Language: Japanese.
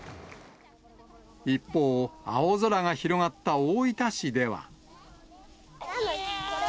一方、青空が広がった大分市では。